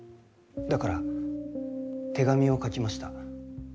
だから手紙を書きました。